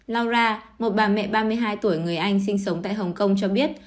laura một bà mẹ ba mươi hai tuổi người anh sinh sống tại hồng kông cho biết